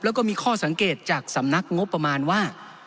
แล้วก็มีข้อสังเกตจากสำนักงบประมาณว่า